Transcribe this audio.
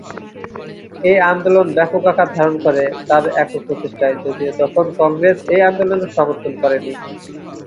এই আন্দোলন ব্যপক আকার ধারণ করে তাঁর একক প্রচেষ্টায়, যদিও তখনও কংগ্রেস এই আন্দোলন সমর্থন করেনি।